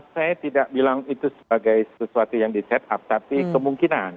saya tidak bilang itu sebagai sesuatu yang di set up tapi kemungkinan